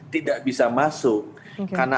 tidak bisa masuk karena